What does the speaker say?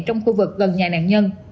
trong khu vực gần nhà nạn nhân